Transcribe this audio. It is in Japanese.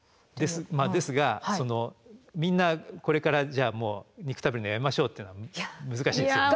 ですがみんなこれからじゃあ肉食べるのやめましょうっていうのは難しいですよね。